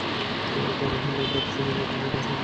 তা নাহলে তফসিলি জাতির জন্য সংরক্ষিত আসনই পেতে।